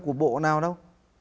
của bộ nào đâu